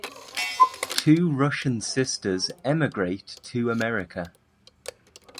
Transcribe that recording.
Two Russian sisters emigrate to America.